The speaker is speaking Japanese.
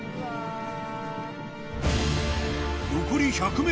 残り１００ｍ